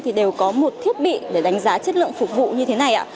thì đều có một thiết bị để đánh giá chất lượng phục vụ như thế này ạ